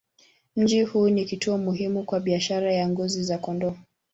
Mji huu ni kituo muhimu kwa biashara ya ngozi za kondoo.